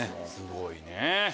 すごいね。